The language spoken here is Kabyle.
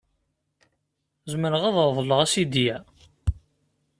Zemreɣ ad reḍleɣ asidi-a?